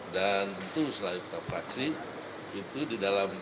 dan itu selain fraksi itu di dalam